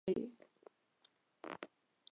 نن ډېر ستړی ښکارې، څه خبره ده، ولې دومره ستړی یې؟